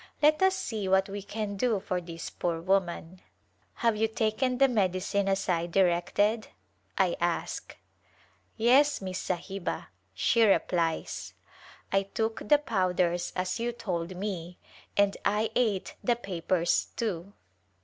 Let us see what we can do for this poor woman. " Have you taken the medicine as I directed ?" I ask. " Yes, Miss Sahiba," she replies, " I took the powders as you told me, and I ate the papers too."